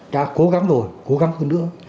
đã cố gắng rồi cố gắng hơn nữa